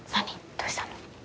どうしたの？